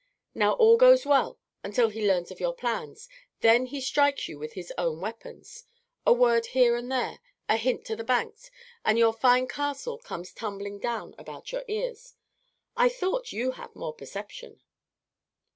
Now all goes well until he learns of your plans, then he strikes with his own weapons. A word here and there, a hint to the banks, and your fine castle comes tumbling down about your ears. I thought you had more perception."